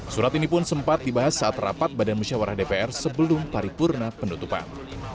surat ini pun sempat dibahas saat rapat badan musyawarah dpr sebelum paripurna penutupan